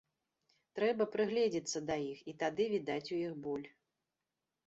Трэба прыгледзіцца да іх, і тады відаць у іх боль.